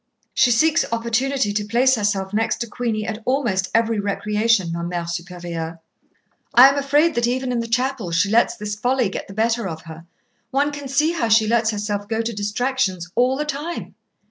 "She seeks opportunity to place herself next to Queenie at almost every recreation, ma Mère Supérieure." "I am afraid that even in the chapel she lets this folly get the better of her one can see how she lets herself go to distractions all the time...."